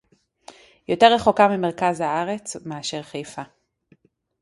יותר רחוקה ממרכז הארץ מאשר חיפה